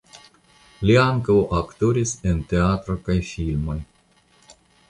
Li ankaŭ aktoris en teatro kaj filmoj.